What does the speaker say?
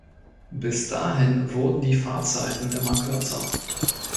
Bis dahin wurden die Fahrzeiten immer kürzer.